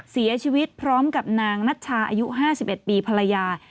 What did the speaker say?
เสียชีวิตพร้อมกับนางนัชชาอายุ๕๑ปีภรรยา